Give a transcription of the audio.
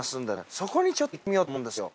そこにちょっと行ってみようと思うんですよ。